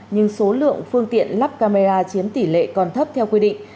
nhưng số lượng phương tiện lắp camera chiếm tỷ lệ còn thấp theo quy định